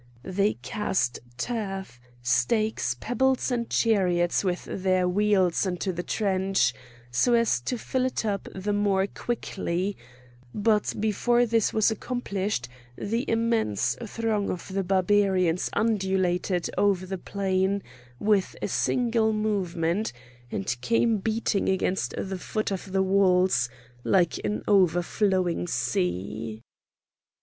They cast turf, stakes, pebbles and chariots with their wheels into the trench so as to fill it up the more quickly; but before this was accomplished the immense throng of the Barbarians undulated over the plain with a single movement and came beating against the foot of the walls like an overflowing sea.